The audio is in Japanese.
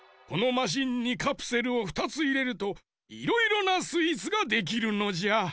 このマシンにカプセルを２ついれるといろいろなスイーツができるのじゃ。